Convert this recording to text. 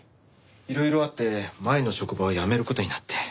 いろいろあって前の職場を辞める事になって。